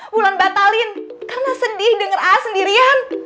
bulan batalin karena sedih dengar aa sendirian